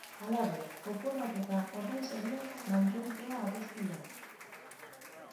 Halaber, oporrak eta ordainsariak mantentzea adostu da.